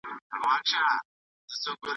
تاسي په خپل کار کي له کومو وسايلو ګټه اخلئ؟